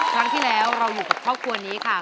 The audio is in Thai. ครั้งที่แล้วเราอยู่กับครอบครัวนี้ค่ะ